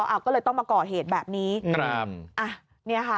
เอาก็เลยต้องมาก่อเหตุแบบนี้ครับอ่ะเนี่ยค่ะ